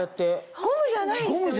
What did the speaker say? ゴムじゃないですよね？